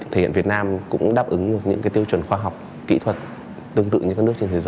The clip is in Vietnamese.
thể hiện việt nam cũng đáp ứng được những tiêu chuẩn khoa học kỹ thuật tương tự như các nước trên thế giới